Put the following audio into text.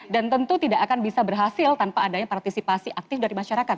dan tentu tidak akan bisa berhasil tanpa adanya partisipasi aktif dari masyarakat